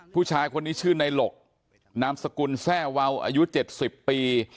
ผู้ชายคนนี้ชื่อนายหลกนามสกุลแซ่วาวอายุเจ็ดสิบปี